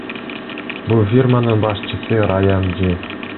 Бул фирманын башчысы Раян Ж.